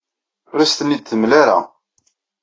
Ur asen-ten-id-temlam ara.